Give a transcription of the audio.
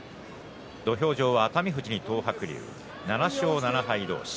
土俵上は熱海富士に東白龍７勝７敗同士。